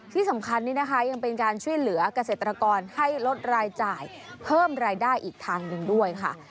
ที่สำคัญนี้นะคะยังเป็นการช่วยเหลือกเกษตรกรให้ลดรายจ่ายเพิ่มรายได้อีกทางหนึ่งด้วยค่ะ